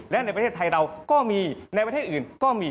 และในประเทศไทยเราก็มีในประเทศอื่นก็มี